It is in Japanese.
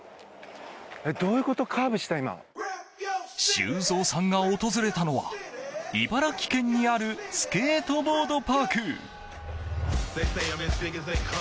修造さんが訪れたのは茨城県にあるスケートボードパーク。